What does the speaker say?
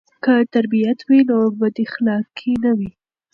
که تربیت وي نو بداخلاقي نه وي.